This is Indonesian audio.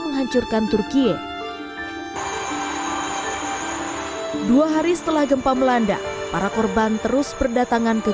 menghancurkan turkiye dua hari setelah gempa melanda para korban terus berdatangan ke